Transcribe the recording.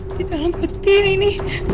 di dalam peti ini